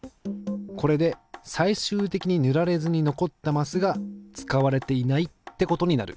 これで最終的に塗られずに残ったマスが使われていないってことになる。